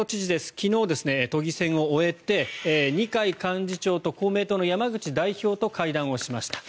昨日、都議選を終えて二階幹事長と公明党の山口代表と会談をしました。